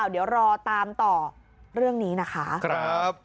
เดี๋ยวรอตามต่อเรื่องนี้นะคะ